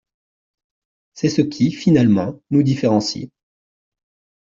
C’est ce qui, finalement, nous différencie.